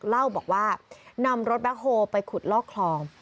เล่าบอกว่านำรถแบ็คโฮลไปขุดลอกคลอง